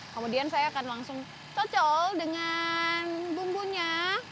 kemudian saya akan langsung cocok dengan bumbunya